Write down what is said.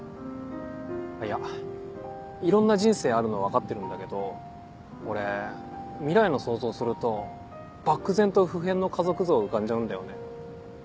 いやいろんな人生あるのは分かってるんだけど俺未来の想像すると漠然と普遍の家族像が浮かんじゃうんだよね。